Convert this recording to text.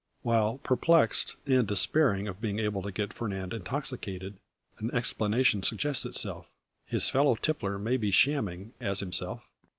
While perplexed, and despairing of being able to get Fernand intoxicated, an explanation suggests itself. His fellow tippler may be shamming, as himself?